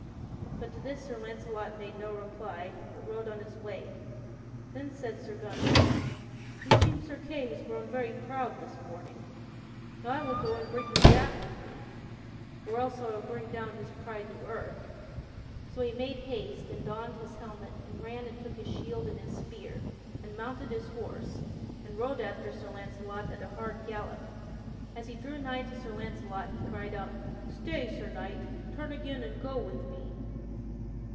But to this Sir Launcelot made no reply, but rode on his way. Then said Sir Gunther: "Meseems Sir Kay hath grown very proud this morning. Now I will go and bring him back with me, or else I will bring down his pride to earth." So he made haste and donned his helmet and ran and took his shield and his spear, and mounted his horse and rode after Sir Launcelot at a hard gallop. As he drew nigh to Sir Launcelot he cried out: "Stay, Sir Knight! Turn again, and go with me!"